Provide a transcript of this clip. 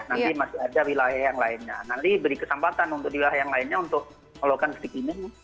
nanti masih ada wilayah yang lainnya nanti beri kesempatan untuk di wilayah yang lainnya untuk melakukan stick ini